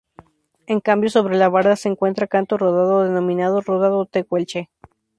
En cambio sobre la barda se encuentra canto rodado denominado rodado tehuelche.